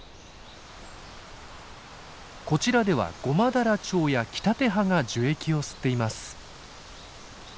こちらではゴマダラチョウやキタテハが樹液を吸っています。